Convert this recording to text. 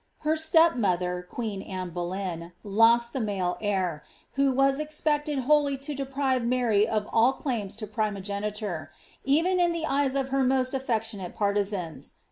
Her step mother, queen Anne Boleyn, lost the male heir, who was expected wholly to deprive Mary of all claims to primogeniture, even in the eyes of her most aflectionate partinns.